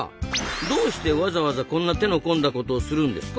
どうしてわざわざこんな手の込んだことをするんですか？